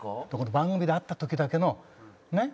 番組で会った時だけのねっめくるめく。